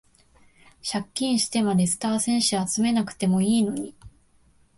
借金してまでスター選手集めなくてもいいのに